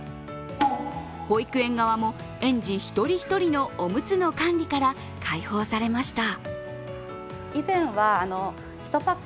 保育園側も園児一人一人のおむつの管理から解放されました。